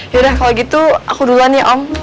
yaudah kalau gitu aku duluan ya om